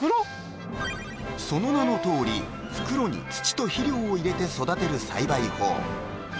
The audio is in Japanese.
その名のとおり袋に土と肥料を入れて育てる栽培法